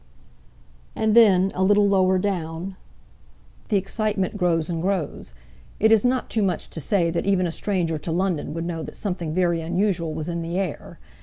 And then, a little lower down: "The excitement grows and grows. It is not too much to say that even a stranger to London would know that something very unusual was in the air.